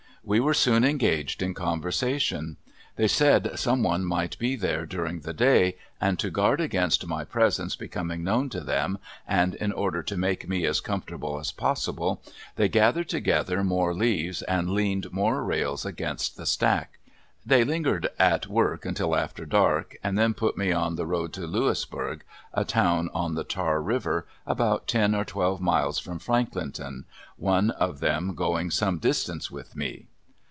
We were soon engaged in conversation. They said some one might be there during the day, and to guard against my presence becoming known to them, and in order to make me as comfortable as possible, they gathered together more leaves and leaned more rails against the stack. They lingered at work until after dark, and then put me on the road to Louisburg, a town on the Tar River, about ten or twelve miles from Franklinton, one of them going some distance with me.